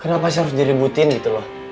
kita pasti harus diributin gitu loh